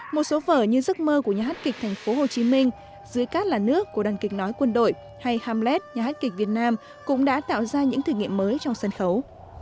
một số vở như giấc mơ của nhà hát kịch thành phố hồ chí minh dưới cát là nước của đàn kịch nói quân đội hay hamlet nhà hát kịch việt nam cũng đã tạo ra những thử nghiệm mới trong sân khấu